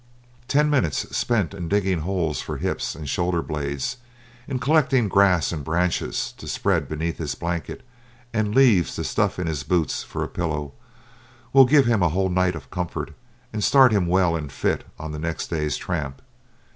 Ten minutes spent in digging holes for hips and shoulder blades, in collecting grass and branches to spread beneath his blanket, and leaves to stuff in his boots for a pillow, will give him a whole night of comfort and start him well and fit on the next day's tramp.